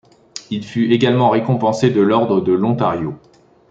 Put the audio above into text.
Il fut également récompensé de l'Ordre de l'Ontario.